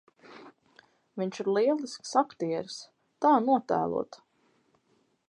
Viņš ir lielisks aktieris! Tā notēlot !